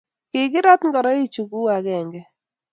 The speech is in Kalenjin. kigirat ngoroichu gu agenge